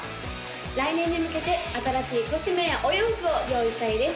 来年に向けて新しいコスメやお洋服を用意したいです